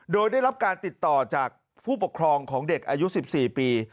โดยได้รับการติดต่อจากผู้ปกครองของเด็กอายุ๑๔ปี